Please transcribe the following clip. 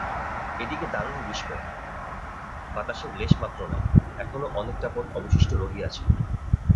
এদিকে দারুণ গ্রীষ্ম, বাতাসের লেশ মাত্র নাই, এখনাে অনেকটা পথ অবশিষ্ট রহিয়াছে।